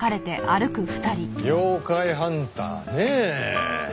妖怪ハンターねえ。